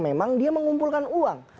memang dia mengumpulkan uang